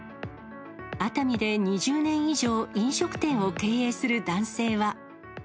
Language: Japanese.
熱海で２０年以上飲食店を経営する男性は。